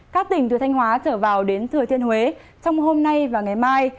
các tỉnh từ thanh hóa trở vào đến thừa thiên huế trong hôm nay và ngày mai